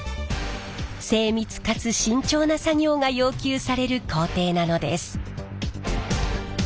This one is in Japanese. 精密かつ慎重な作業が要求される工程なのです。